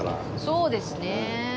そうですね。